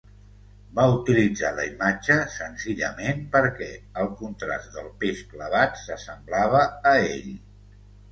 Va utilitzar la imatge senzillament perquè el contrast del peix clavat s'assemblava a ell.